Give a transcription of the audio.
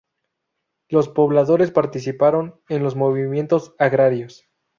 Los pobladores participaron en los movimientos Agrarios.